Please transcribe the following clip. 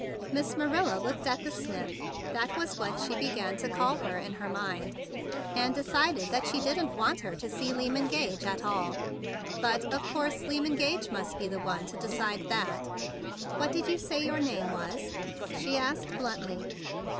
Miss Marilla looked at the snip—that was what she began to call her in her mind —and decided that she didn't want her to see Lyman Gage at all; but of course Lyman Gage must be the one to decide that. "What did you say your name was?" she asked bluntly.